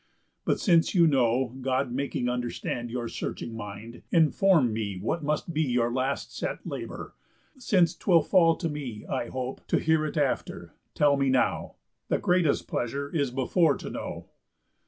But since you know, God making understand Your searching mind, inform me what must be Your last set labour; since 'twill fall to me, I hope, to hear it after, tell me now. _The greatest pleasure is before to know."